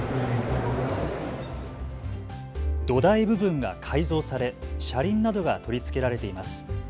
土台部分が改造され、車輪などが取り付けられています。